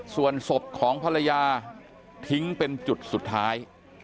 ส่วนศพของภรรยาทิ้งเป็นจุดสุดท้าย